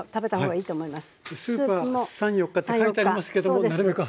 スープは３４日って書いてありますけどもなるべく早く。